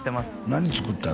何作ったん？